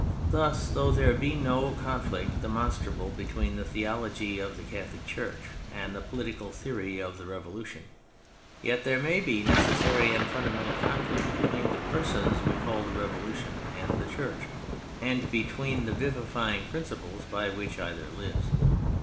Thus, though there be no con flict demonstrable between the theology of the Catholic Church and the political theory of the Revolution, yet there may be necessary and fundamental conflict between the Persons we call the Revolution and the Church, and between the vivifying principles by which either lives.